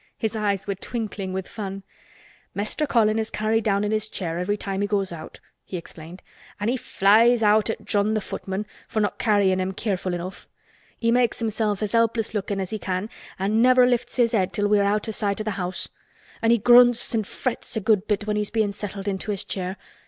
His eyes were twinkling with fun. "Mester Colin is carried down to his chair every time he goes out," he explained. "An' he flies out at John, th' footman, for not carryin' him careful enough. He makes himself as helpless lookin' as he can an' never lifts his head until we're out o' sight o' th' house. An' he grunts an' frets a good bit when he's bein' settled into his chair.